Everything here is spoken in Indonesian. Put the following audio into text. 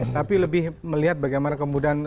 tapi lebih melihat bagaimana kemudian